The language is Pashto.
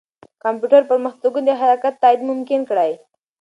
کمپیوټر پرمختګونه د حرکت تایید ممکن کړي.